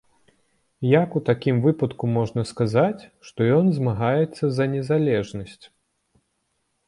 Як у такім выпадку можна сказаць, што ён змагаецца за незалежнасць?